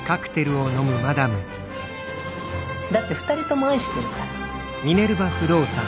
だって二人とも愛してるから。